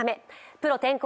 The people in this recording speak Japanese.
プロ転向